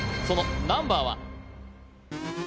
そのナンバーは？